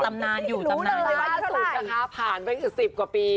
รำนานอยู่รำนานอยู่รู้เลยราสุดนะคะผ่านไปสิบกว่าปี